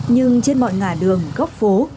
nhưng trên mọi ngã đường góc phố